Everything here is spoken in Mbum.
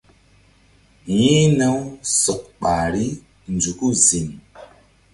Yi̧hna-u sɔk ɓahri nzuku ziŋ.